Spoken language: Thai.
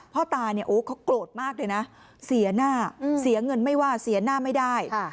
พ่อตาเนี่ยโอ้เขาโกรธมากเลยนะเสียหน้าเสียเงินไม่ว่าเสียหน้าไม่ได้